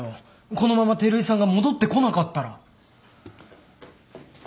このまま照井さんが戻ってこなかったら。